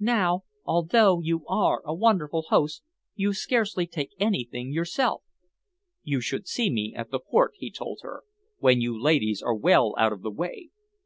Now, although you are a wonderful host, you scarcely take anything yourself." "You should see me at the port," he told her, "when you ladies are well out of the way!